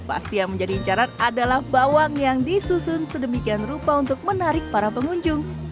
pasti yang menjadi incaran adalah bawang yang disusun sedemikian rupa untuk menarik para pengunjung